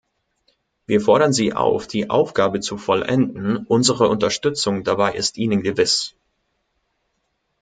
Wir fordern Sie auf, die Aufgabe zu vollenden unsere Unterstützung dabei ist Ihnen gewiss.